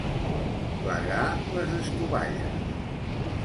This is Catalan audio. Plegar les estovalles.